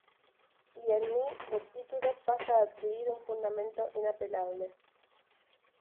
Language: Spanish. Y el "mi" del título pasa a adquirir un fundamento inapelable.